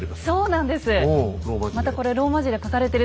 そうなんですよ。